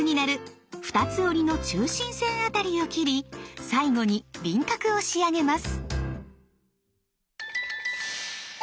２つ折りの中心線あたりを切り最後に輪郭を仕上げます。